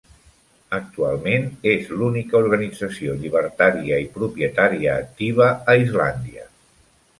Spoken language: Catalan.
Actualment és l'única organització llibertaria i propietària activa a Islàndia.